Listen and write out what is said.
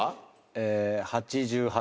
えぇ８８。